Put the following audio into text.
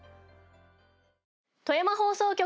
富山放送局